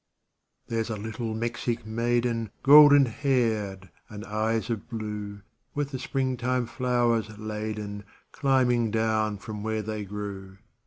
128 There's a little Mexic maiden, Golden haired and eyes of blue, With the springtime flowers laden, Climbing down from where they grew.